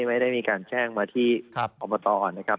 ไม่ได้มีการแช่งมาที่ออมประตอร์นะครับ